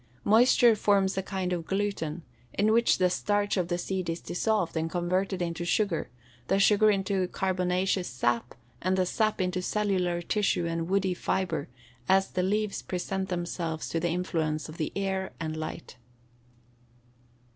Moisture forms a kind of gluten, in which the starch of the seed is dissolved, and converted into sugar, the sugar into carbonaceous sap, and the sap into cellular tissue and woody fibre, as the leaves present themselves to the influence of the air and light.